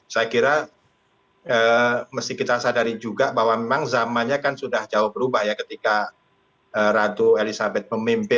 saya kira mesti kita sadari juga bahwa memang zamannya kan sudah jauh berubah ya ketika ratu elizabeth memimpin